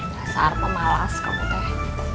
nggak seharpa malas kamu teh